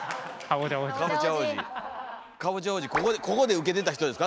ここで受けてた人ですか？